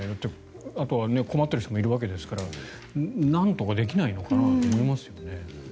困っている人もいるわけですからなんとかできないのかなと思いますよね。